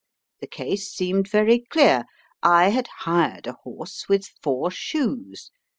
The case seemed very clear. I had hired a horse with four shoes.